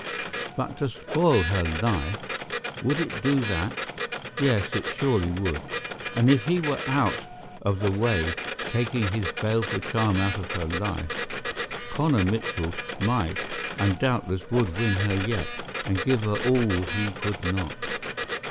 But to spoil her life! Would it do that? Yes, it surely would. And if he were out of the way, taking his baleful charm out of her life, Connor Mitchell might and doubtless would win her yet and give her all he could not.